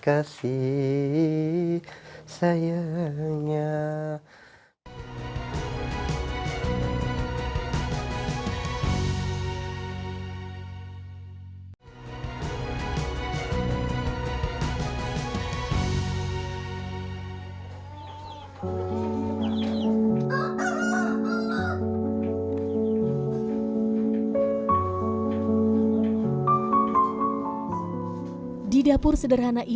ada yang di sini